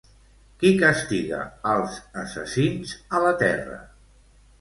Qui castiga als assassins a la Terra?